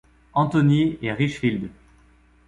Anthony et Richfield.